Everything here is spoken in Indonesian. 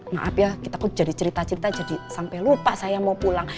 maaf ya kita pun jadi cerita cerita jadi sampai lupa saya mau pulang